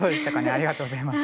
ありがとうございます。